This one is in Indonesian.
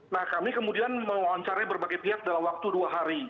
nah kami kemudian mewawancarai berbagai pihak dalam waktu dua hari